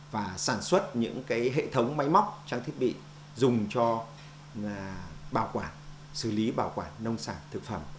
và sản xuất những hệ thống máy móc trang thiết bị dùng cho bảo quản xử lý bảo quản nông sản thực phẩm